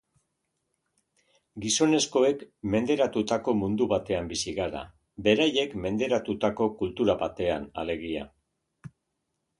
Gizonezkoek menderatutako mundu batean bizi gara, beraiek menderatutako kultura batean, alegia.